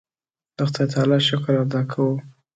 د خدای تعالی شکر ادا کوو.